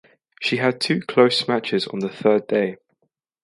She had two close matches on the third day.